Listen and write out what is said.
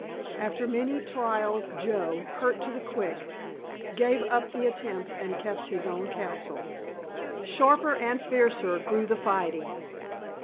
After many trials Joe, hurt to the quick, gave up the attempt and kept his own counsel. Sharper and fiercer grew the fighting.